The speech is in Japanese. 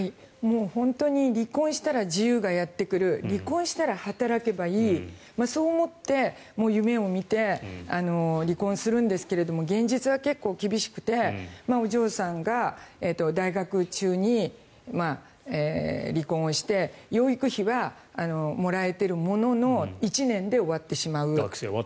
本当に離婚したら自由がやってくる離婚したら働けばいいそう思って夢を見て離婚するんですけど現実は結構厳しくてお嬢さんが在学中に離婚をして養育費はもらえているものの１年で終わってしまう。